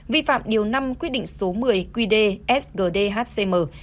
vi phạm điều năm quyết định số một mươi quy đề sgdhcm